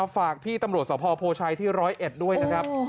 ฝากพี่ตำรวจสภโพชัยที่๑๐๑ด้วยนะครับ